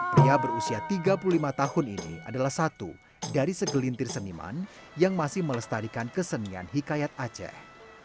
pria berusia tiga puluh lima tahun ini adalah satu dari segelintir seniman yang masih melestarikan kesenian hikayat aceh